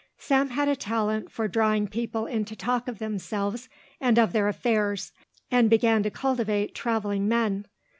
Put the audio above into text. Sam had a talent for drawing people into talk of themselves and of their affairs and began to cultivate travelling men.